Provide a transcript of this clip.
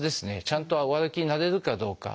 ちゃんとお歩きになれるかどうか。